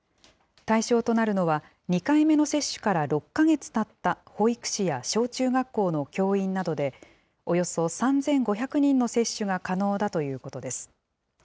対象となるのは、２回目の接種から６か月たった保育士や小中学校の教員などで、およそ３５００人の接種が可能だということです。